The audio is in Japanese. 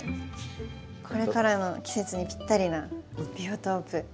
これからの季節にぴったりなビオトープ。